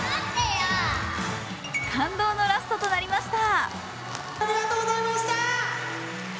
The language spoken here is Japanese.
感動のラストとなりました。